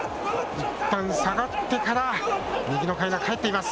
いったん下がってから右のかいな、返っています。